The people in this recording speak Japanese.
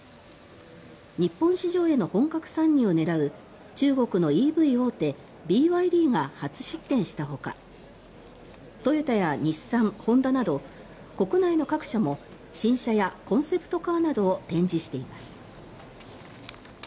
日本市場への本格参入を狙う中国のＥＶ大手、ＢＹＤが初出展したほかトヨタや日産、ホンダなど国内の各社も新車やコンセプトカーなどを展示しています。